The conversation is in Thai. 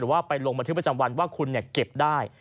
ว่าไปลงบันทึกประจำวันว่าคุณเก็บได้